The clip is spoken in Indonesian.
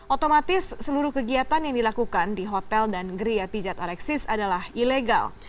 otomatis seluruh kegiatan yang dilakukan di hotel dan geria pijat alexis adalah ilegal